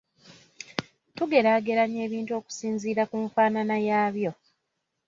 Tugeraageranya ebintu okusinziira ku nfaanana yaabyo.